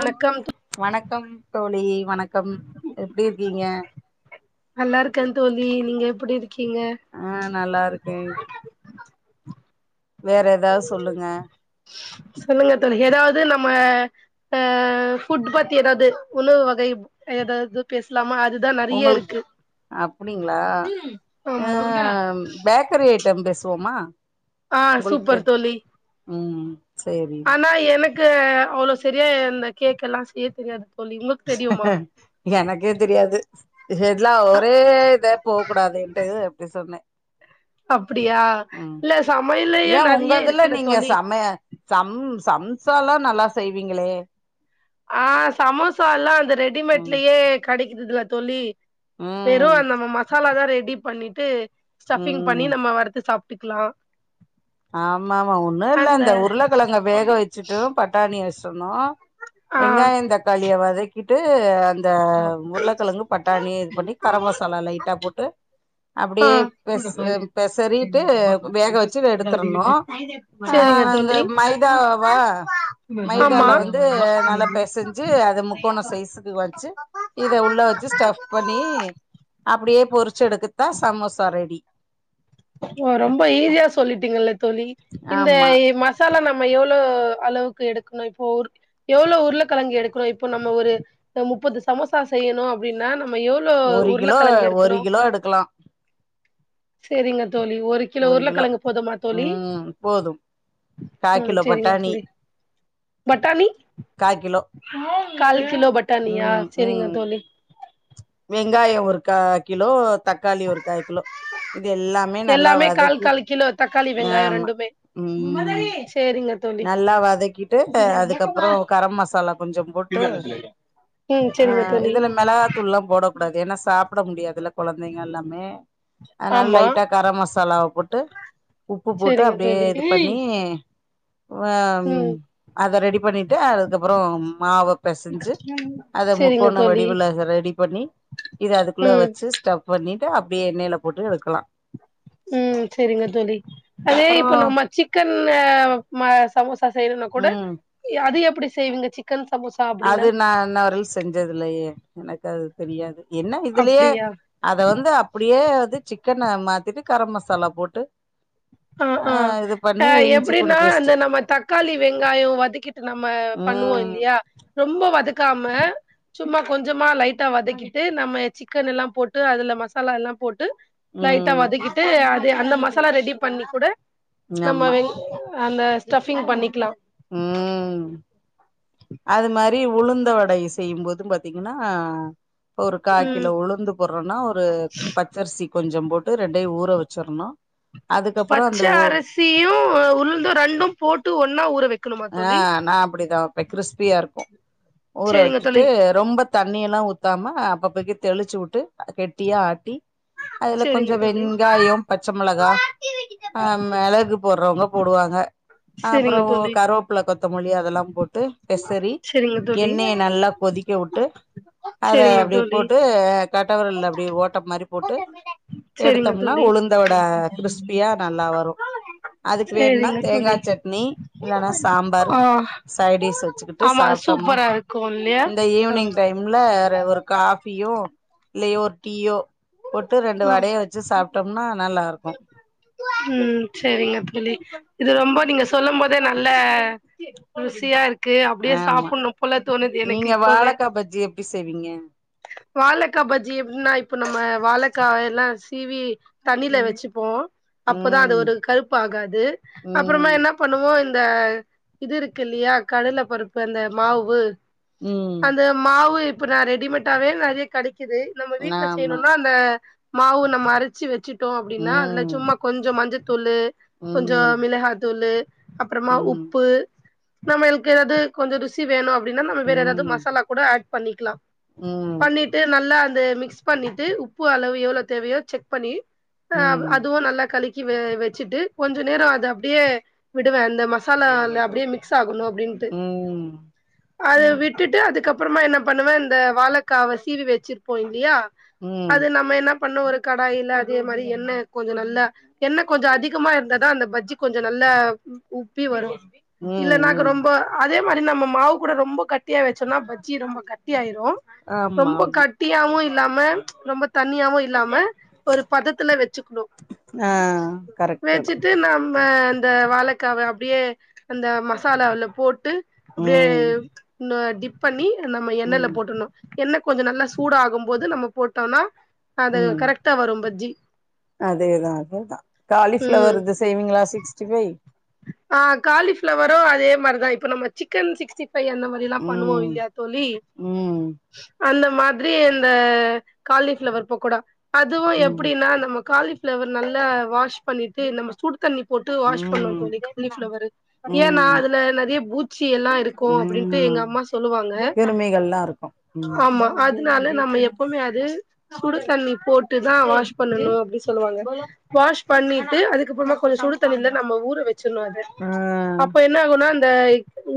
வணக்கம் தோ வணக்கம் தோழி வணக்கம் எப்பிடி இருக்கீங்க ப்புடியிருக் கிங்க ஆ நல்லா இருக்கே வேற எதாவது சொல்லுங்க சொல்லுங்க தோழி ஏதாவது நம்ம அ ஃபுட் பத்தி ஏதாது உணவு வகை ஏதாது பேசலாமா அது உங்ளுக்கு அப்டிங்களா ஆ ஆமா பேக்கரி [unintelligible] [unintelligible] பேசுவோமா ஆ உங்களுக்கு சூப்பர் தெரி தோழி ம் சேரி ஆனா எனக் கு அவ்ளோ சரியா இந்த கேக் எல்லா செய்ய தெரியாது தோழி உங்களுக்கு தெரியுமா எனக்கே தெரியாது [unintelligible] அ ஒரே இத போக கூடாதேன்ட்டு அப்டி சொன்னே அப்டியா ம் இல்ல சமையலயே ஏ உங்க நெறய இதுல இருக்குல்ல நீங்க தோழி சம சம் சம்சல்லா நல்லா செய்வீங்களே ஆ சமோசால்லா அந்த ம் ரெடிமேட்லயே கடை இதுதா தோழி வெறு ம் அந்த ம்மாஸ் மசாலாதா ரெடி பண்ணிட்டு ஸ்டபி்ங் ம் பண்ணி நம்ம வறுத்து சாப் விட்டுக்கலா ஆமா ஆமா ஒண்ணுல்ல இந்த உருளக்கிழங்க வேக வச்சுட்டு பட்டாணிய [unintelligible] ஆ வெங்காய தக்காளியா வதக்கிட் ட்டு இந்த உருளக்கிழங்கு பட்டாணி இது பண்ணி கரமசா சாலா லைட்டா போட்டு ஆ அப்டியே பேச பேசறிட்டு வேக வச்சு எடுத் பெசரண்னு அ சேரிங்க அந்த தோழி மைதாவா ஆமா மைதால வந்து நல்ல பேசஞ்சு அத முக்கோன சைசுக்கு வச்சு இத உள்ள வச்சு ஸ்ட்ப் பண்னி அப்டியே பொருச் ச்செடுத்துட்டா சமோசா ரெடி ஓ ரொம்போ ஈஸியா சொல்லிட்டீங்கலே தோழி இந்த ஆமா மசாலா நம்ம எவ் எவ்வோ அளவுக்கு எடுக்கணு இப்போ எவ்ளோ உருளக்கிழங்கு எடுக்கணு இப்போ நம்ம ஒரு முப்பது சமோசா செய்யணு அப்டின்னா நம்ம எவ்ளோ ஒரு கிலோ உருளக்கெழங்கு ஒரு எடுக்கணு கிலோ எடுக்கலா சேரிங்க தோழி ஒரு கிலோ உருளக்கிழங்கு போதுமா தோழி ம் போதும் கா ம் கிலோ சேரிங்க பட்டாணி தோழி பட்டாணி கா கிலோ கால் கிலோ பட்டாணியா சரிங்க தோழி வெங்காயோ ஒரு கா கிலோ தக்காளி ஒரு காய்கிலோ இது எல்லாமே நல்லா எல்லாமே கால் வதக்கி கால் கிலோ தக்காளி ஆ வெங்காயோ ஆமா ரெண்டுமே ம் சேரிங்க தோழி நல்லா வதக்கிட்டு ப அதுகப்ரோ கரம் மசாலா கொஞ்சோ போட்டு ம் சேரிங்க ஆஹ் தோழி இதுல மெலகாத்தூள் எல்லா போடக்கூடாது ஏன்னா சா பப்ட முடியாதுல கொலந்தைங்க எல்லாமே அதனால ஆமா லைட்டா கரம் மசாலாவ போட்டு ட்டு உப்பு போட்டு சேரிங்க அப்டியே தோழி இது பண்ணி வா உம் ம் அத ரெடிப் வரின் டு அதுகப்ரோ மாவ பேசஞ்சி அத சேரிங்க முக்கோண தோழி வடிவுல ரெடி பண்ணி இத அதுக்குள்ள ம் வச்ச ஸ்டப் பண்ணிட்டு அப்டியே எண்ணைல போட்டு எடுக்கலா ம் செரிங்க தோழி அதே அப்பறோ இப்ப நம்ப சிக்கன் ம் ம சமோஸ் சா செய்னுனா கூட ம் அது எப்டி செய்விங்க சிக் அது நா இன்னவரல் செஞ்சது இல்லயே எனக் அது தெரியாது என்ன இதுலயே அப்டியா அத வந்து அப்டியே சிக்கன மாத்திட்டு கரம் மசாலா போட்டு ஆ ஆ இது நா பண்ணி இஞ்சி பூண்டு எப்டின்னா இந்த பேஸ்ட்டு நம்ப தக்காளி வெங்காயோ வதக்கிட்டு நம்ம பண்ணுவோ ம் இல்லியா ரொம்ப வதக்காம சும்மா கொஞ்சமா லைடா வதக்கிட்டு நம்ம சிக்கன் எல்லா போட்டு அதுல மசாலா எல்லா போட் டு லைட்டா ம் வதகிட்டு அத் து அந்த மசாலா ரெடிப் பண்ணி கூட நம்ம ஆமா வெங் அந்த ஸ்டஃபிங் பண்ணிக்லா ம் அது மாரி உளுந்த வடை செய்யு போது பாத்தீங்கனா இப்போ ஒரு கா ம் கிலோ உளுந்து போடுறனா ஒரு பச்சரிசி கொஞ்சோ போட்டு ரெண்டயு ஊற வச்சுற்ணும் பச்ச அரிசியு உளுந்து ரெண்டு போட்டு ஒன்னா ஊற வே ஆ நா அப்டிதா பெ கிரிஸ்பியா இருக்கொ ஊற சேரிங்க வச்சுட்டு தோழி ரொம்ப தண்ணியெல்லா ஊத்தாம ஆ அப்பப்பக்கி தெளிச்சு வுட்டு கெட்டியா ஆட்டி அதுல சேரிங்க கொஞ்சொ தோழி வெங்காயம் பச்ச மொளகா ஆ மெளகு போட்றவ்ங்க போடுவாங்க சேரிங்க அப்றம் ஓ தோழி கரோப்ல த்தமல்லி அதெல்லாம் போட்டு பெசரி சேரிங்க தோழி எண்ணெய நல்லா கொதிக்க வுட்டு அத சேரிங்க அப்டே தோழி போட்டு கட்டவெரல்ல அப்டியே ஓட்ட மாரி போட்டு சேரிங்க எடுத்தம்னா தோழி உளுந்த வட கிரிஸ்பியா நல்லா வரு அதுக் வேண்னா சேரிங்க தேங்கா தோழி சட்னி இல்லனா சாம்பாரு ஆ சைடீஸ் வெச்சுக்கிட்டு ஆமா சாப்ட்டம்னா சூப்பரா இருக்கு இல்லையா இந்த ஆமா ஈவ்னிங் டைம்ல ர ஒரு காஃபியோ இல்லயோர் டீயோ போட்டு ரெண்டு ஆ வடைய வெச்சு சாப்ட்டம்னா நல்லாருக் கு உம் செரிங்க தோழி இது ரொம்ப நீங்க சொல்லும்போதே நல்ல ருசியாரு க்கு அப்டியே ஆமா சாப்புட்ன்னு போல தோணுது எனக்கு நீங்க இப்பவே வாழக்கா பஜ்ஜி எப்டி செய்வீங்க வாழக்கா பஜ்ஜி எப்புன்னா இப்ப நம்ம வாழக்காவ எல்லா சீவி தண்ணில வெச்சுப்போ அப்ப தா அது ம் ஒரு கருப்பாகாது அப்பறமா ம் என்ன பண்ணுவோ த இதுருக்கில்லியா கடலப் பருப்பு அந்த மாவு ம் அந்த மாவு ப்ப நா ரெடிமெட்டாவே நெறய கடை க்கிது நம்ம வீட்ல ஆமா செய்ணுன்னா அந்த மாவு நம்ம அரச்சி வெச்சிட் டோ அப்டினா அதுல ம் சும்மா ஞ்சோ மஞ்ச தூளு கொஞ்சோ ம் மிளஹாதூளு அப்றமா ம் உப்பு நம்ம எல்க்கறது கொஞ்சோ ருசி வேணு அப் டினா நம்ம ம் வேற எதாது ம் மசாலா கூட ஏட் பண்ணிக்லா ம் பண்ணிட்டு நல்லா அந்த மி ஸ் பண்ணிட்டு உப்பு அளவு எவ்ளோ தேவயோ செக் பண்ணி ஆ அவ் அதுவு நல்லா கலக்கி வ வெச்சுட்டு கொஞ்ச நேரோ அத அப்டியே விடுவே அந்த மசாலா அத்ல அப்புடியே மிக்ஸ் ஆகணு அப்டின்ட்டு ம் அத விட்டுட்டு அதுக்கப்பறமா என்ன பண்ணுவ, இந்த வாழக்காவ சீவி வெச்சிருப்போ இல்லியா ம் அது நம்ம என்ன பண்ண ஒரு கடாயில அதே மாரி எண்ண கொஞ்ச நல்லா எண்ண கொஞ்சோ அதிகமா இருந்தா தா அந்த பஜ்ஜி கொஞ்சோ நல்லா உ உப்பி வரு ம் இல்லனாக்க ம் ரொம்ப ஆ அதே மாரி நம்ம மாவு கூட ரொம்ப கட்டியா வச்சோன்னா பஜ்ஜி ரொம்ப கட்டி ஆயிரு ஆமா ரொம்ப ஆமா கட்டியாவு இ லாம ரொம்ப தண்ணியாவு இல்லாம ஒரு பதத்துல வெச்சுக்கணு ஆ கரெக்ட்டு வெச்சுட்டு நம் ம அந்த வாழக்காவ அப்டியே அந்த மசாலாவுல போட்டு அப்டியே ம் ன்ன டிப் பண்ணி நம்ம எண்ணய்ல ம் போட்டுட்ணும் என்ன கொஞ்சம் நல்லா சூடாகும் போது நம்ம போட்டோன்னா அது ம் கரெக்ட்டா வரும் பஜ்ஜி காலிஃபிளவர் இது செய்விங்ளா சிக்ஸ்டி ஃபை ஆஹ் காலிஃபிளவரு அதே மாரிதா இப்ப நம்ம சிக்கன் சிக்ஸ்டி ஃபை அந்த மாரிலா பண்ணுவோ ம் இல்லியா தோழி ம் அந்த மாதிரி இந்த காலிஃபிளவர் பக்கோடா அதுவு ம் எப்டின்னா நம்ம காலி ஃப்ளவர் நல்லா வாஷ் பண்ணிட்டு நம்ம சுடுத் தண்ணி போட்டு வாஷ் பண்ணும் ம் [unintelligible] காலிஃபிளவரு ஏன்னா ம் அதுல நெறைய பூச் ச்சி எல்லா இருக்கு அப்படின்ட்டு எங்க ம் அம்மா சொல்லுவாங்க. கிருமிகள்லா இருக்கு ம் ஆமா அ தனால நம்ம எப்பமே அது சுடு தண்ணி போட்டுதா வாஷ் பண்ணணும் அப்டின்னு சொல்லுவாங்க. வாஷ் பண்ணிட்டு அதுக்கப்புறமா கொஞ்சம் சுடு தண்ணில நம்ம ஊற வச் ச்சுர்னு அத ம் அப்ப என்ன ஆகுன்னா இந்த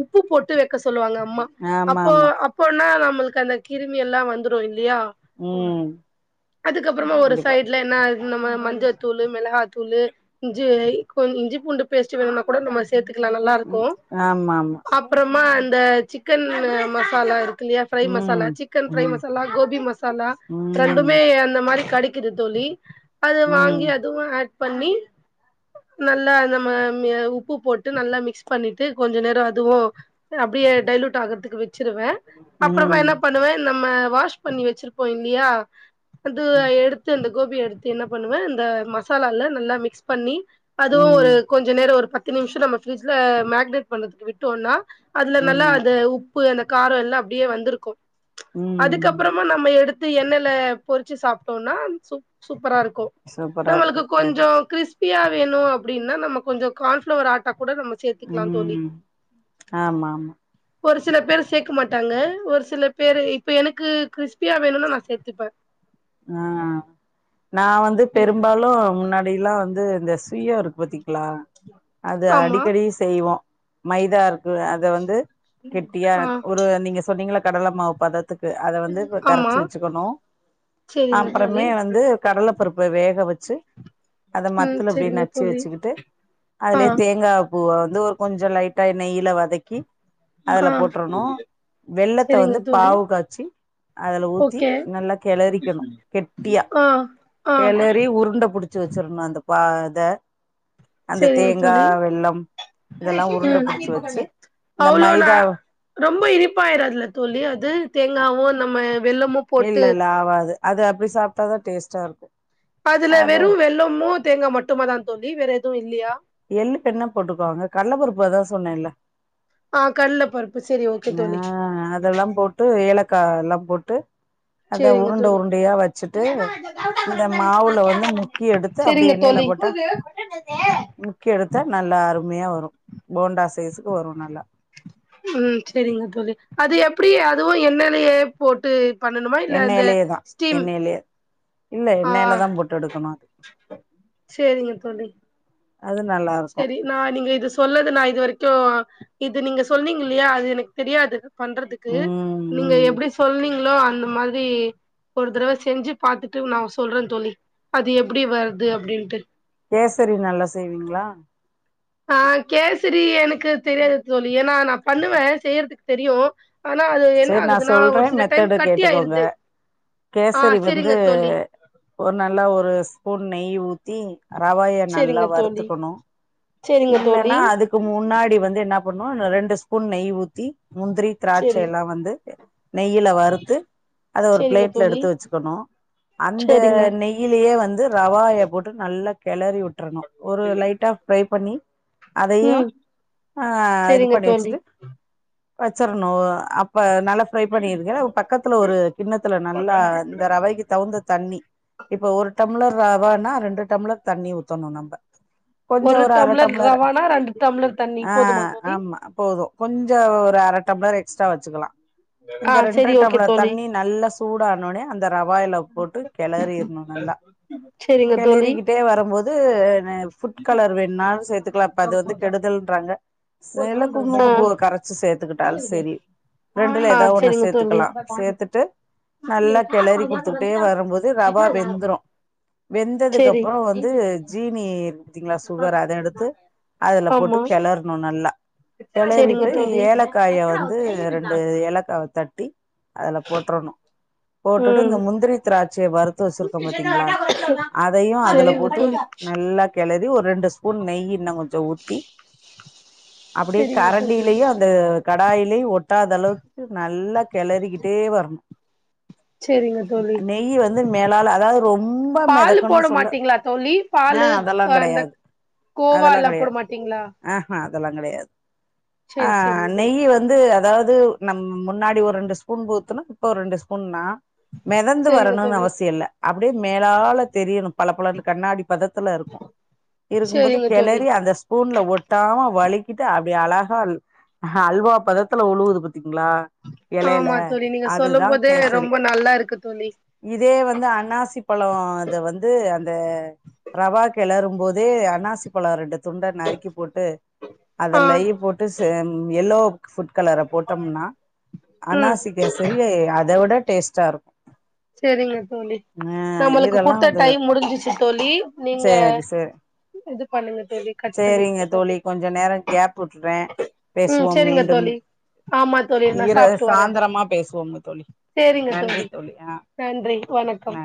உப்பு போட்டு வைக்க சொல் லுவாங்க அம்மா ஆமா அப்போ ஆமா அப்போன்னா நம் உங்களுக்கு அந்த கிருமி எல்லா வந்துடு இல் லயா ம் அதுக்கப்றமா ஒரு கண்டிப்பா சைட்ல என்ன நம்ம மஞ்சத்தூளு மெளகாத்தூளு இஞ் கொஞ் இஞ்சி பூண்டு பேஸ்ட் வேணுன்னா கூட நம்ம சேத்துக்கலா நல்லா ம் இருக்கும் ஆமா ஆமா அப்றமா இந்த சிக்கன் மசாலா இரு யா ஃப்ரை மசாலா ம் சிக்கன் ஃப்ரை ம் மசாலா கோபி மசாலா ம் ரெண்டுமே அந்த மாரி கடிக் இது தோழி அது வாங்கி ம் அதுவு அ பண்ணி நல்லா ந ம மியா உப்பு போட்டு நல்லா மிக்ஸ் பண்ணிட்டு கொஞ்ச நேரம் அதுவும் அப்படியே டைலுட் ஆகுறதுக்கு வி சிருவே அப்புறமா ம் என்ன பண்ணுவேன் நம்ம வாஷ் பண்ணி வச்சிருப்போ இன்னியா அதுவ எடுத்துந் கோபி எடுத்து என்ன பண்ணுவே இந்த மசாலால நல்லா மிக்ஸ் பண்ணி அதுவு ஒரு ம் ஒரு பத்து நிமிஷ நம்ம ஃபிரிட்ஜ்ல மேக்னேட் பண்றதுக்கு விட்டோம்னா அதுல நல்லா ம் அது உ ப்பு காரம் எல்லாம் அப்டியே வந்திருக்கு ம் அதுக்கப்புறமா நம்ம எடுத் து எண்ணெல பொறிச்சு சாப்டோனா சூப் சூப்பரா இருக் சூப்பரா நம்மளுக்கு இருக்கு கறி கொஞ்சோ கிறிஸ் பியா வேணு அப்டின்னா நம்ம கொஞ்ச கான்ஃப்ளவர் ஆட்டா குட நம்ம சேர்த்துக்லாம் தோழி ம் ஆமா ஆமா ஒரு சில பேர் சேக்க மாட்டாங்க ஒரு சில பேரு இப்ப எனக்கு கிறிஸ் பியா வேணுனா நான் சேர்த்துப்பே ஆஹ் நா வந்து ம் பெரும்பாலு முன்னா ஐலா து இந்த சுய இருக்கு பத்திங்ளா அது ஆமா அடிக்கடி செய்வோ மைதா இருக்குல அது வந்து கெட்டியா ஆ ஒரு நீங்க சொன்னீங்கள கடல மாவ்பதத் த்துக்கு அத வந்து இப்ப ஆமா கரச்சு வச்சுக்கணு செரிங்க தோழி அப்புறமே வந்து கடல பருப்பு வேக வச்சு அத ம் மத்துல அப்டி செரிங்க நச்சு தோழி வச்சுக்கிட்டு ஆ அதுலே தேங்கா ஓ வது ஒரு கொஞ்ச லைட்டா நெய்யில வதக்கி அதுல ஆ போட்ரணு வெள்ளத்த செரிங்க வந்து தோழி பாவு காய்ச்சி அதுல ஊத்தி ஓகே நல்லா கிளரிக்கணும் கெட்டியா ஆ ஆ கெளறி உருண்ட புடிச்சு வச்சிர்ணு அந்த பா த செரிங்க தோழி இதெல்லா உருண்ட புடிச்சு ம் வச்சு இந்த அவ்ளோதா மைதா ரொம்ப இனிப்பாயிடாதுல தோழி அது தேங்காவு நம்ம வெல்லமு போட்டு இல்ல இல்ல ஆவாது அது அப்டி சாப்ட்டாதா டேஸ்ட் சாருக்கு அதுல வெறு வெள்ளமு தேங்கா மட்டுமா தா தோளி வேற எ அதுவு இல்லியா எள்ளு வெண்ணா போட்டுக்கோங்க கல்லப்பருப்பு அதா சொன்னேல்ல ஆ கடல பருப்பு செரி ஓகே தோழி ஆஹ் அதெல்லா போட்டு ஏலக் கா எல்லா போட்டு அத செரிங்க உருண்ட தோழி உருண்டையா வச்சுட்டு இந்த மாவுல வந்து முக்கி எடுத்து செரிங்க அப்டியே எண்ணெயில தோழி போட்டா முக்கி எடுத்தா நல்லா அருமையா வரு போண்டா சைஸ்க்கு வரு நல்லா உம் சரிங்க தோளி அது எப்டி அதுவு எண்ணெலயே போட்டு பண்ணணுமா இல்ல அந்த எண்ணெயிலயே தா ஸ்டீம் எண்ணெயிலயே இல்ல ஆ எண்ணெயிலதா போட்டு எடுக்கணு அது நல்லா இருக்கு சரி நா நீங்க இது சொல்லது நா இது வரைக் க்யோ இது நீங்க சொன்னீங்க இல்லையா அது எனக்கு தெரியாது பண்றதுக்கு ம் நீங்க ம் எப்டி சொன்னிங்க்ளோ அ அந்த மாதிரி ஒரு தடவ செஞ்சு பாத்துட்டு நா சொல்றே தோழி அது எப்டி வருது அப்பிடின்ட்டு கேசரி நல்லா செய்வீங்க்ளா ஆஹ் கேசரி எனக்கு தெரியாது தோளி ஏன்னா நா பண்ணுவே செய்யறதுக்கு தெரியு ஆனா அது என்ன செர் நா ஆகுதுன்னா சொல்றே ஒரு சில டைம் மெத்தடு கட்டி கேட்டுக்கோங்க ஆயிருது ஆ கேசரி வந்து செரிங்க தோழி ஒரு நல்ல ஒரு ச் பூன் நெய் ஊ த்தி ரவாய நல்லா செரிங்க தோழி வருத்துக்கணு செரிங்க தோழி இல்லன்னா அதுக்கு முன்னாடிவ் வந்து என்ன பண்ணுவோ ரெண்டு ஸ்பூன் நெய் ஊத்தி முந்திரி திராட்ச செரி எல்லா வந்து நெய்யில வறுத்து அத ஒரு செரிங்க பிளேட்ல தோழி எடுத்து வச்சுக்கணு அந்த செரிங்க நெயிலயே வந்து ரவாய போட்டு நல்லா கெலரி வுட் ட்ரணு ஒரு லைட்டா ஃப்ரை பண்ணி அதயு ம் ஆஹ் இது செரிங்க பண்ணி தோழி வெச்சுட்டு வச்சிறணு அப்ப நல்லா ஃப்ரை பண்ணிருங்க பக்கத்துல ஒரு கிண்ணத்துல நல்லா இந்த ரவைக்கு தகுந்த தண்ணி இப்ப ஒரு டம்ளர் ரவானா ரெண்டு டம்ளர் தண்ணி ஊத்தணு நம்ப சொ ஒரு அர டம்ளர் ரவானா ரெண்டு டம்ளர் தண்ணி போதுமா ஆஹ் தோழி ஆம்மா போது கொஞ்ச ஒரு அர டம்ளர் ஏ ஸ்டா வச்சுலாம் ஆ இந்த ரெண்டர செரி ஓகே டம்ளர் தோழி தண்ணி நல்லா சூடானானே அந்த ரவாயல போட்டு கிளறிடணும் நல்லா செரிங்க தோழி கிளறிகிட்டே வரும்போது [unintelligible] கலர் வேணாலும் சேத்துக்கலாம் இப்ப அது வந்து கெடுதல்ன்றாங்க செல்ல குங்கும ஆ பூ கரச்சு சேத்துக்கிட்டாலும் செரி ரெண்டுல ஆ ஏதா ஒண்ணு செரிங்க தோழி சேத்துக்கலாம் சேத்துட்டு நல்லா கிளறி குடுத்துக்கிட்டே வரும்போது ரவா வெந்துறும் வெந்ததுக்கு செரி அப்புறம் வந்து ஜீனி தீங்களா சுகர் அத எடுத்து அதுல போட்டு ஆமா கிளறணும் நல்லா செரிங்க கிளறிட்டு தோழி ஏலக்காய வந்து ரெண்டு ஏலக்காவ தட்டி அதுல போட்டுரணும் போட்டுட்டு ம் இந்த முந்திரி திராட்சியை வறுத்து வச்சிருக்கோம் பாத்தீங்களா அதையும் அதுல செரிங்க போட்டு தோழி நல்லா கிளரி ஒரு ரெண்டு ஸ்பூன் நெய் இன்னும் கொஞ்சம் ஊத்தி அப்படியே செரிங்க தோழி கரண்டிலயே அந்த கடாயில ஒட்டாத அளவுக்கு நல்லா கிளறக்கிட்டே வரணும் செரிங்க தோழி நெய்ய வந்து மேளால அதாவது ரொம்ப பாலு மிதக்கணு சொல்ல ஆ அ அந்த கெடையாது கோவாலாம் போட மாட்டீங்களா அதெல்லாம் கெடையாது செரி ஆஹ் செரிங்க தோழி நெய்ய வந்து அதாவது நம்ம முன்னாடி ஒரு ரெண்டு ஸ்பூன் ஊத்துனு இப்ப ஒரு ரெண்டு ஸ்பூன்ன்னா மிதந்து செரிங்க வரணும்னு தோழி அவசியம் இல்ல அப்படியே மேலால தெரியணும் பல பலனு கண்ணாடி பதத்த இருக்கும்போது செரிங்க தோழி கிளறி அந்த ஸ் ஸ்பூன்ல ஒட்டாம வலிக்கிட்டு அப்படியே அழகா அல்வா பதத்துல உழுவுது ப ங்களா எலையில ஆமா தோழி நீங்க சொல்லும் அதுதான் போதே கேசரி ரொம்ப நல்லா இருக்கு தோழி இதே வந்து அண்ணாசி பழம் இத வந்து அந்த ரவா கிளரும் போதே அன்னாசி பழ ரெண்டு துண்டா நறுக்கி போட்டு அத ஆ லயி போட்டு செம் எல்லோ ஃபுட் கலர போட்டோம்னா ம் அன்னாசிக்கேசரி அத விட டேஸ்ட்டா இருக்கும் செரிங்க தோழி நம்மளுக்கு குடுத்த டைம் முடிஞ்சிச்சு தோழி மீ செரி செரி தோழி கட் செரிங்க பண்ணிக்கோங்க தோழி கொஞ்சம் நேரம் கேப் விட்றேன் ம் பேசுவோம் செரிங்க மீண்டும் தோழி ஆமா தோழி நா ஈர சாப்ட்டு வரே சாயந்திரமா பேசுவோங்க தோழி நன்றி தோழி ஆஹ் நன்றி வணக்கம்